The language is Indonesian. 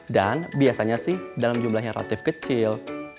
dan biasanya sih dalam jumlah yang relatif kecil